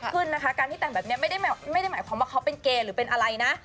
ขึ้นนะคะการที่แต่งแบบนี้ไม่ได้หมายความว่าเขาเป็นเกย์หรือเป็นอะไรนะ